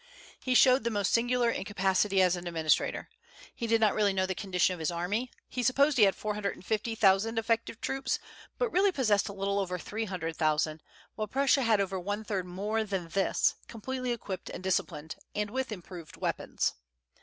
He showed the most singular incapacity as an administrator. He did not really know the condition of his army; he supposed he had four hundred and fifty thousand effective troops, but really possessed a little over three hundred thousand, while Prussia had over one third more than this, completely equipped and disciplined, and with improved weapons.